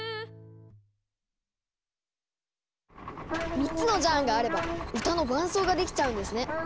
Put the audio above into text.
３つのジャーンがあれば歌の伴奏ができちゃうんですね。